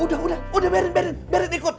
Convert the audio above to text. udah udah udah berit berit berit ikut